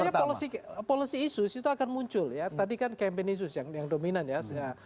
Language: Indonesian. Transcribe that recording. bagaimana saya polisi isu itu akan muncul ya tadi kan campaign isu yang dominan ya